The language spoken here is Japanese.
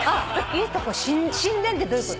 いいとこ新田ってどういうこと。